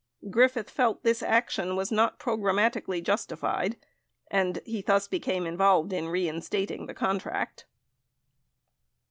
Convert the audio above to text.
Griffith felt this action was not programmatically justified, and thus became involved in reinstating the contract.